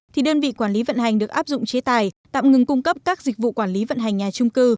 thì đơn vị quản lý vận hành được áp dụng chế tài tạm ngừng cung cấp các dịch vụ quản lý vận hành nhà trung cư